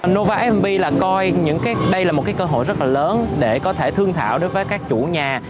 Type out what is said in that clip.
nova mb là coi đây là một cơ hội rất là lớn để có thể thương thảo đối với các chủ nhà